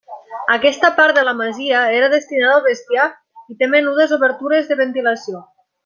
Aquesta part de la masia era destinada al bestiar i té menudes obertures de ventilació.